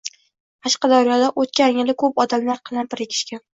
Qashqadaryoda o'tgan yili ko'p odamlar qalampir ekishgan